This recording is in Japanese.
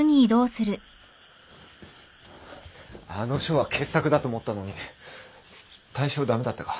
あの書は傑作だと思ったのに大賞駄目だったか。